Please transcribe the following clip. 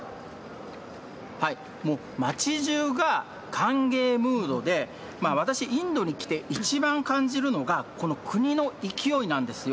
もう町じゅうが歓迎ムードで、私、インドに来て一番感じるのが、この国の勢いなんですよ。